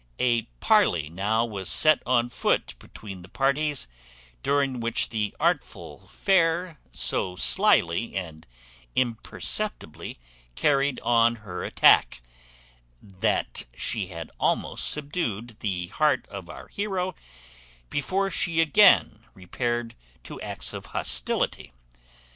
A parley now was set on foot between the parties; during which the artful fair so slily and imperceptibly carried on her attack, that she had almost subdued the heart of our heroe before she again repaired to acts of hostility.